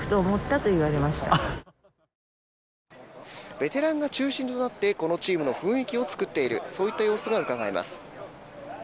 ベテランが中心となってこのチームの雰囲気を作っているそういった様子がうかがえます。